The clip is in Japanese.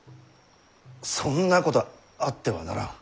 そんなことあってはならん。